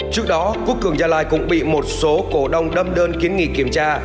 trước đó quốc cường gia lai cũng bị một số cổ đông đâm đơn kiến nghị kiểm tra